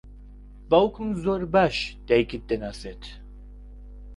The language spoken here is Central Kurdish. باوکم زۆر باش دایکت دەناسێت.